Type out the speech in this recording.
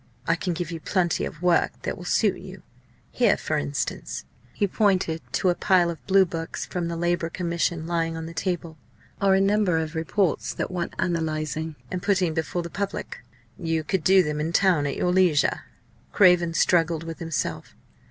I can give you plenty of work that will suit you. Here, for instance" he pointed to a pile of Blue Books from the Labour Commission lying on the table "are a number of reports that want analysing and putting before the public. You could do them in town at your leisure." Craven struggled with himself.